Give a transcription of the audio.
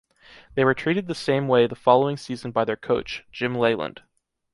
They were treated the same way the following season by their coach, Jim Leyland